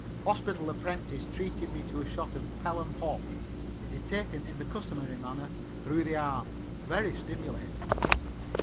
Hospital apprentice treated me to a shot of Pelham "hop." It is taken in the customary manner, through the arm very stimulating.